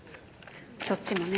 そっちもね。